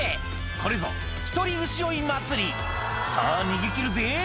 「これぞ１人牛追い祭り」「さぁ逃げ切るぜ！」